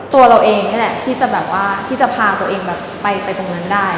ตัวเราเองเนี่ยแหละที่จะพาตัวเองไปตรงนั้นได้